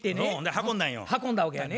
運んだわけやね。